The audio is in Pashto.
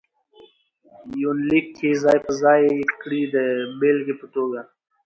يونليک کې ځاى په ځاى کړي د بېلګې په توګه: